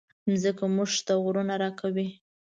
مځکه موږ ته غرونه راکوي.